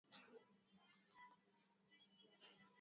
wa matumizi mabaya ya pombe au mihadarati